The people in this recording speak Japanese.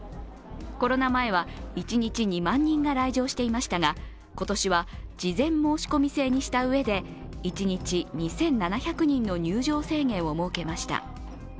コロナ前は一日２万人が来場していましたが今年は事前申し込み制にしたうえで一日２７００人の入場制限を設けました。